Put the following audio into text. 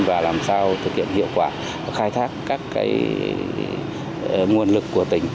để thực hiện hiệu quả và khai thác các nguồn lực của tỉnh